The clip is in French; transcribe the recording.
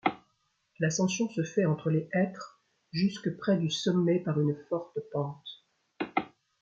L'ascension se fait entre les hêtres jusque près du sommet par une forte pente.